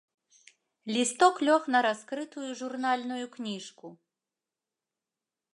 Лісток лёг на раскрытую журнальную кніжку.